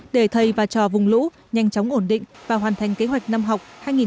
để thầy và trò vùng lũ nhanh chóng ổn định và hoàn thành kế hoạch năm học hai nghìn hai mươi hai nghìn hai mươi một